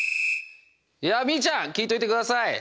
いやみいちゃん聞いといて下さい。